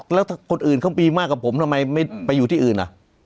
แล้วถ้าคนอื่นเขามีมากกว่าผมทำไมไม่ไปอยู่ที่อื่น